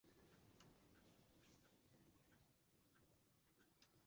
এবারের কোপা আমেরিকার নিয়মানুযায়ী তাই কোয়ার্টার ফাইনাল গড়াল টাইব্রেকার নামের ভাগ্যের খেলায়।